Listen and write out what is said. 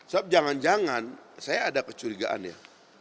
sebab jangan jangan saya ada kecurigaan ya